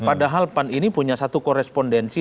padahal pan ini punya satu korespondensi